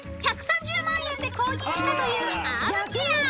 ［１３０万円で購入したというアームチェア］